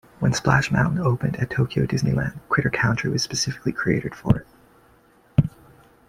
When Splash Mountain opened at Tokyo Disneyland, Critter Country was specifically created for it.